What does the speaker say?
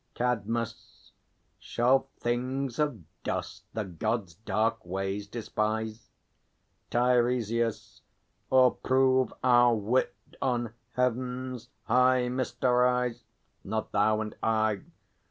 CADMUS. Shall things of dust the Gods' dark ways despise? TEIRESIAS. Or prove our wit on Heaven's high mysteries? Not thou and I!